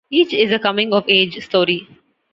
Each is a coming of age story.